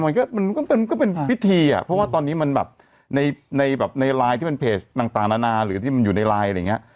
มันก็มันก็เป็นพิธีอ่ะเพราะว่าตอนนี้มันแบบในแบบในไลน์ที่เป็นเพจต่างนานาหรือที่มันอยู่ในไลน์อะไรอย่างเงี้ย